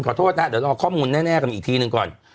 ขอโทษนะเดี๋ยวรอข้อมูลแน่กันอีกทีหนึ่งก่อน